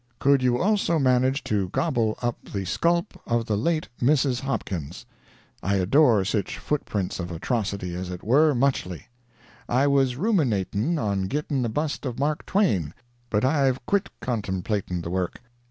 Could you also manage to gobbel up the skulp of the layte Missus Hopkins? I adore sich foot prints of atrocity as it were, muchly. I was roominatin' on gittin' a bust of Mark Twain, but I've kwit kontemplatin' the work.